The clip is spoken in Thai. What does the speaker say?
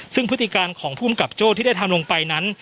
ซึ่งพฤติการของภูมิกับโจ้ที่ได้ทำลงไปนั้น